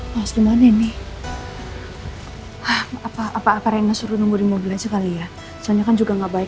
mas gimana nih apa apa rena suruh nunggu di mobil aja kali ya soalnya kan juga nggak baik